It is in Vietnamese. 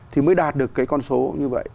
thì mới đạt được cái con số như vậy